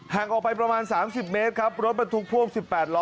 แห่งออกไปประมาณสามสิบเมตรครับรถมันถูกพ่วงสิบแปดล้อ